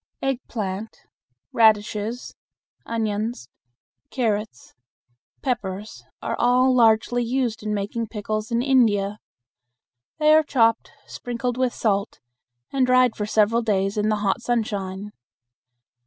Eggplant, radishes, onions, carrots, peppers, all are largely used in making pickles in India. They are chopped, sprinkled with salt, and dried for several days in the hot sunshine.